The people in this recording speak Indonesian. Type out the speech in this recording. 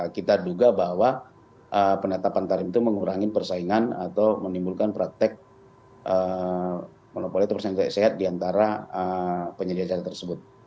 kita duga bahwa penetapan tarif itu mengurangi persaingan atau menimbulkan praktek monopoli persaingan sehat diantara penyediaan tersebut